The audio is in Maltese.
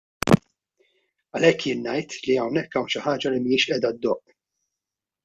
Għalhekk jien ngħid li hawnhekk hawn xi ħaġa li mhijiex qiegħda ddoqq.